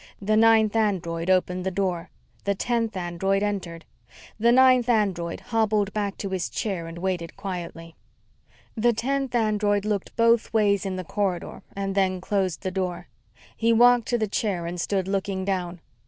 The ninth android opened the door. The tenth android entered. The ninth android hobbled back to his chair and waited quietly. The tenth android looked both ways in the corridor and then closed the door. He walked to the chair and stood looking down.